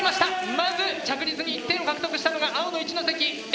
まず着実に１点を獲得したのが青の一関Ａ。